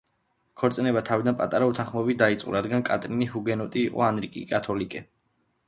ქორწინება თავიდან პატარა უთანხმოებით დაიწყო, რადგან კატრინი ჰუგენოტი იყო ანრი კი კათოლიკე.